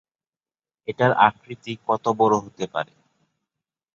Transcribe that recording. এটার আকৃতি কত বড় হতে পারে?